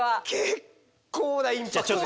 結構なインパクトですね。